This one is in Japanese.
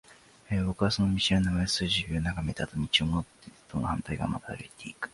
僕はその見知らぬ名前を数十秒眺めたあと、道を戻って棟の反対側まで歩いていく。